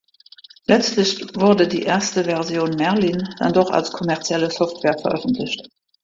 Letztlich wurde die erste Version Merlin dann doch als kommerzielle Software veröffentlicht.